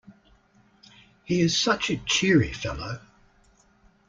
He is such a cheery fellow.